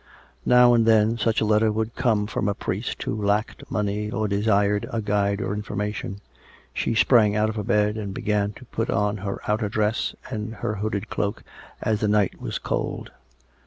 Now and then such a letter would come from a priest who lacked money or de sired a guide or information. She sprang out of bed and began to put on her outer dress and her hooded cloak, as the night was cold.